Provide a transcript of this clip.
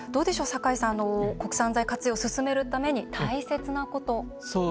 酒井さん、国産材活用を進めるために大切なこと。